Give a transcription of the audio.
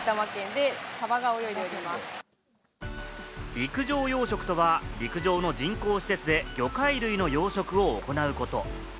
陸上養殖とは陸上の人工施設で魚介類の養殖を行うこと。